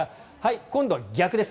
今度は逆です。